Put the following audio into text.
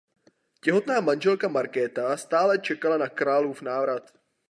Těhotná manželka Markéta stále čekala na králův návrat.